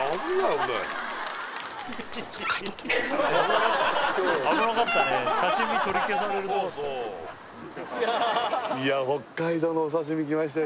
俺いや北海道のお刺身きましたよ